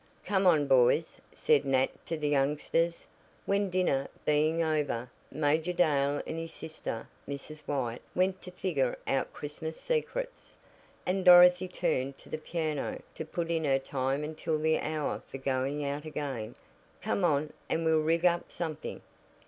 "Come on, boys," said Nat to the youngsters, when, dinner being over, Major Dale and his sister, Mrs. White, went to "figure out Christmas secrets," and Dorothy turned to the piano to put in her time until the hour for going out again, "come on, and we'll rig up something."